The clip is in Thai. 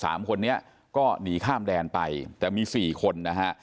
สามคนนี้ก็หนีข้ามแดนไปแต่มีสี่คนนะฮะ